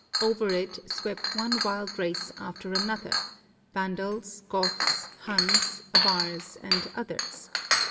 Over it swept one wild race after another, — Vandals, Goths, Huns, Avars, and others.